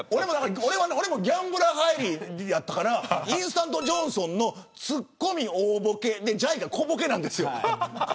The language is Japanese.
俺もギャンブラー入りやったからインスタントジョンソンのツッコミ、大ボケでじゃいが小ボケなんです。